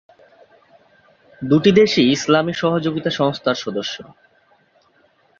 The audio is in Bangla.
দুটি দেশই ইসলামী সহযোগিতা সংস্থার সদস্য।